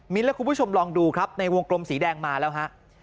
และคุณผู้ชมลองดูครับในวงกลมสีแดงมาแล้วฮะ